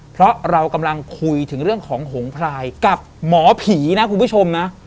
เพราะเรากำลังคุยถึงเรื่องของหงพลายกับหมอผีนะคุณผู้ชมนะ